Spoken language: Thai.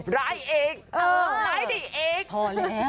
รายเอง